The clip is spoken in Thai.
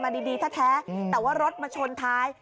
มาดีเท่าแท้แต่ว่ารถมาชนท้าย